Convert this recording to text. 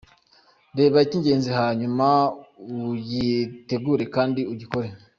Reba icy’ingenzi hanyuma ugitegure kandi ugikore.